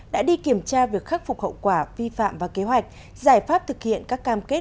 đã đi kiểm tra việc khắc phục hậu quả vi phạm và kế hoạch giải pháp thực hiện các cam kết